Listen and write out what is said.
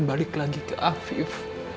balik lagi ke afif